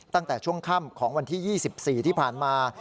ตั้งแต่ช่วงค่ำของวันที่๒๔ที่ผ่านมา